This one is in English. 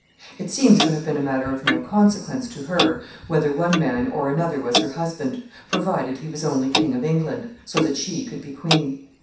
It seems to have been a matter of no consequence to her whether one man or another was her husband, provided he was only King of England, so that she could be queen.